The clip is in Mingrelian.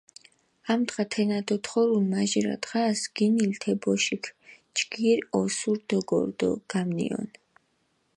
ამდღა თენა დოთხორუნ, მაჟირა დღას გინილჷ თე ბოშქ, ჯგირი ოსური დოგორჷ დო გამნიჸონჷ.